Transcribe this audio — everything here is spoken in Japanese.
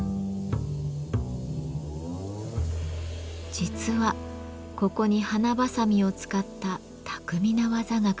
実はここに花ばさみを使った巧みな技が隠されていました。